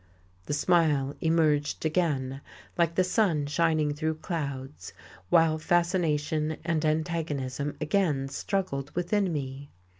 The smile emerged again, like the sun shining through clouds, while fascination and antagonism again struggled within me.